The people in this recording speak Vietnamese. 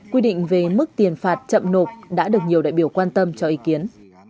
quy định về mức tiền phạt chậm nộp đã được nhiều đại biểu quan tâm cho ý kiến